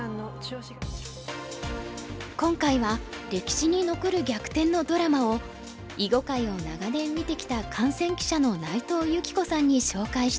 今回は歴史に残る逆転のドラマを囲碁界を長年見てきた観戦記者の内藤由起子さんに紹介して頂く。